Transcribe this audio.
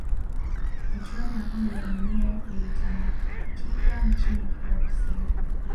michuano ya kombe la dunia ilitamatika nchini afrika kusini